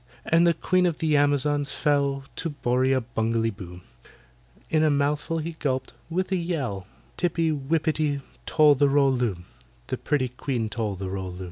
And the Queen of the Amazons fell To BORRIA BUNGALEE BOO,— In a mouthful he gulped, with a yell, TIPPY WIPPITY TOL THE ROL LOO— The pretty QUEEN TOL THE ROL LOO.